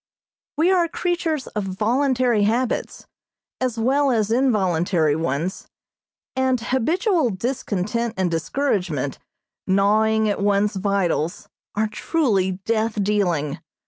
We are creatures of voluntary habits, as well as involuntary ones, and habitual discontent and discouragement, gnawing at one's vitals are truly death dealing.